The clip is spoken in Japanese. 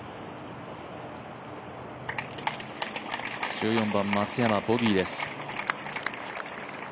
１４番、松山ボギーです。